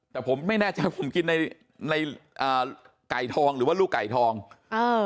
แต่ผมไม่แน่ใจผมกินในในอ่าไก่ทองหรือว่าลูกไก่ทองเออ